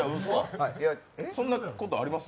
そんなことあります？